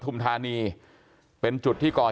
แต่ว่าวินนิสัยดุเสียงดังอะไรเป็นเรื่องปกติอยู่แล้วครับ